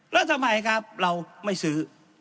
แล้วทำไมครับเราไม่ซื้อ